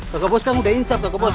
kak bos kan udah insap kak bos